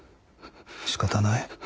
仕方ない。